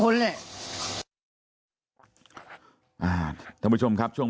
กระดิ่งเสียงเรียกว่าเด็กน้อยจุดประดิ่ง